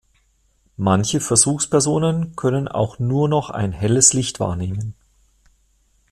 Manche Versuchspersonen können auch nur noch ein helles Licht wahrnehmen.